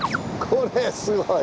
これすごい。